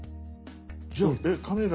じゃあえっカメラ。